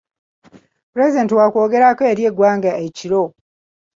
Pulezidenti wakwogerako eri eggwanga ekiro.